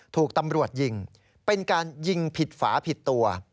ถูกตำรวจยิงเป็นการยิงผิดฝาผิดตัว